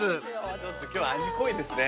ちょっと今日味濃いですね。